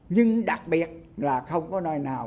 nhưng đặc biệt là không có nơi nào